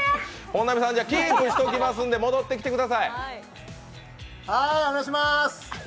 本並さん、キープにしときますんで、戻ってきてください。